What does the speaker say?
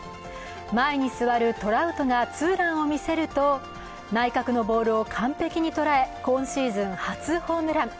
前に座るトラウトがツーランを見せると内角のボールを完璧に捉え、今シーズン初ホームラン。